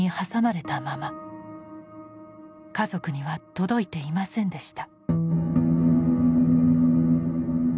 家族には届いていませんでした。